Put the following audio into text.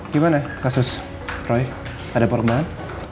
gimana kasus roy ada permaan